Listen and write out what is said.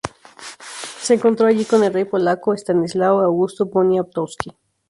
Se encontró allí con el rey polaco Estanislao Augusto Poniatowski.